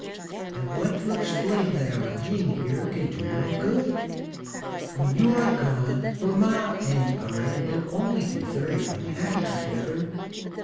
"I want to explain that our being here can do no good. When you are gone mamma and I will only be very unhappy together.